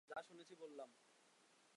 যা শুনেছি বললাম।